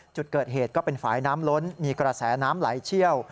จุดเกิดเหตุก็เป็นฝ่ายน้ำล้นมีกระแสน้ำไหลเชี่ยว